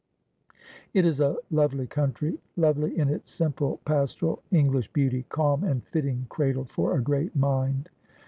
It is a lovely country, lovely in its simple, pastoral, English beauty, calm and fitting cradle for a great mind.